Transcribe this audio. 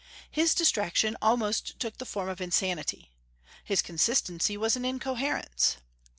"His distraction almost took the form of insanity." "His inconsistency was an incoherence."